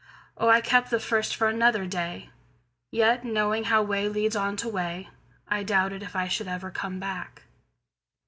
Oh, I kept the first for another day! Yet knowing how way leads on to way,I doubted if I should ever come back.